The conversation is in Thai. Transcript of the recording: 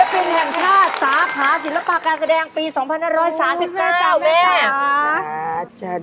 ศิลปินแห่งชาติสาขาศิลปาการแสดงปี๒๕๓๙จาวแม่